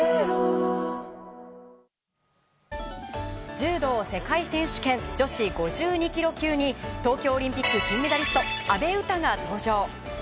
柔道世界選手権女子５２ｋｇ級に東京オリンピック金メダリスト阿部詩が登場。